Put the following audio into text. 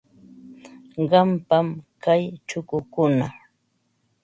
Qampam kay chukukuna.